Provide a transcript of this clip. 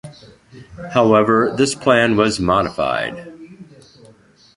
However, this planwas modified.